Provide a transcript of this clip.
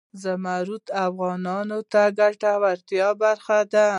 زمرد د افغانانو د ګټورتیا برخه ده.